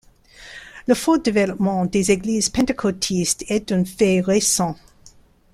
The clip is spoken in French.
Le fort développement des Églises pentecôtistes est un fait récent.